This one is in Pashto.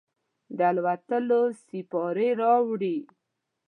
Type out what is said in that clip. د الوتلوسیپارې راوړي